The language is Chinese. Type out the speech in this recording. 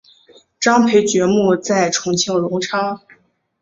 张培爵墓在重庆荣昌。